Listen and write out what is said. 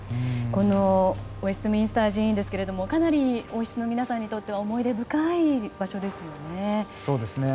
このウェストミンスター寺院ですけれどもかなり王室の皆さんにとっては思い出深い場所ですよね。